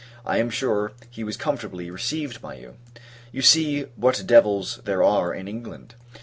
I am sure, he was comfortably received by you. You see what devils [there are] in England!